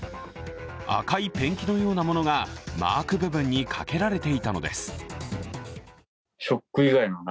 赤いペンキのようなものがマーク部分にかけられていたのです。